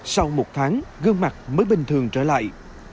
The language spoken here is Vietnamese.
sau một tháng gương mặt mới bình thường trở lại